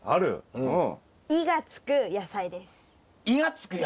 うん。